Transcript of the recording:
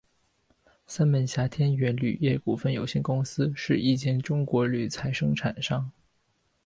三门峡天元铝业股份有限公司是一间中国铝材生产商。